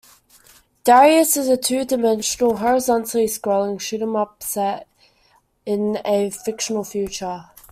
"Darius" is a two-dimensional horizontally scrolling shoot 'em up set in a fictional future.